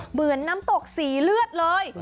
เหมือนน้ำตกสีเลือดเลย